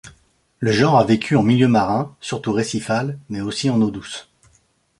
Le genre a vécu en milieu marin, surtout récifal, mais aussi en eaux douces.